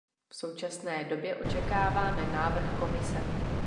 V současné době očekáváme návrh Komise.